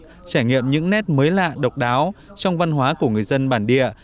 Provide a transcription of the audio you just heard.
trải nghiệm những nét mới lạ độc đáo trong văn hóa của người dân bản địa